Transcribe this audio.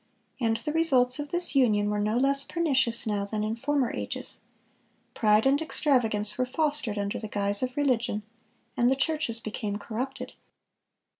And the results of this union were no less pernicious now than in former ages; pride and extravagance were fostered under the guise of religion, and the churches became corrupted.